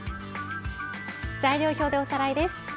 材料表でおさらいです。